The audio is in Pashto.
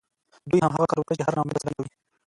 دوی هماغه کار وکړ چې هر ناامیده سړی یې کوي